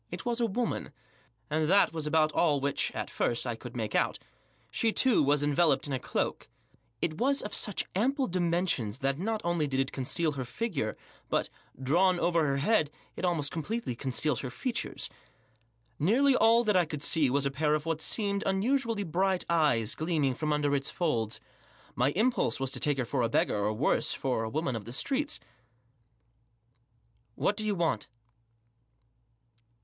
It was a woman, and that was about all which, at first, I could make out. She, too, was enveloped in a cloak. It was of such ample dimensions that not only did it conceal her figure, but, drawn over her head, it almost completely concealed her features. Nearly all that I could see was a pair of what seemed unusually bright eyes, gleaming from under its folds. My impulse was to take her for a beggar, or worse, for a woman of the streets. " What do you want